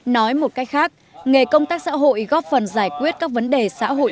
nói một cách khác nghề công tác xã hội góp phần giải quyết các vấn đề xã hội